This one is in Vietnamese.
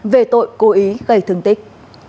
về tội cố ý gây thương tích